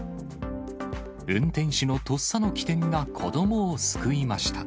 運転手のとっさの機転が子どもを救いました。